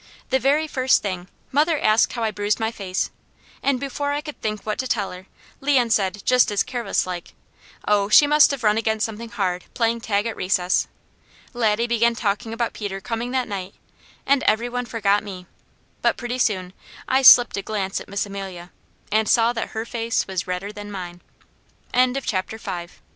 The very first thing, mother asked how I bruised my face, and before I could think what to tell her, Leon said just as careless like: "Oh she must have run against something hard, playing tag at recess." Laddie began talking about Peter coming that night, and every one forgot me, but pretty soon I slipped a glance at Miss Amelia, and saw that her face was redder than mine. CHAPTER VI The Wed